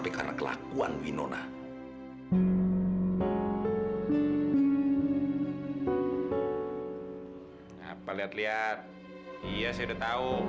iya saya udah tau